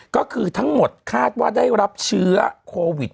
ก็คือทั้งหมดคาดว่าได้รับเชื้อโควิด